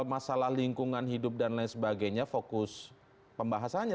masalah lingkungan hidup dan lain sebagainya fokus pembahasannya